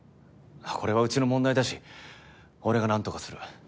これはうちの問題だし俺がなんとかする。